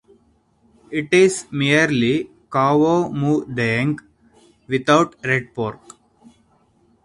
It is merely "khao mu daeng" without red pork.